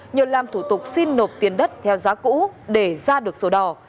nhờ làm thủ tục xin nộp tiền đất theo giá cũ để ra được sổ đỏ